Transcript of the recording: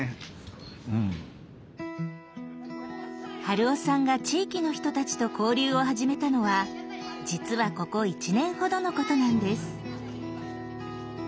春雄さんが地域の人たちと交流を始めたのは実はここ１年ほどのことなんです。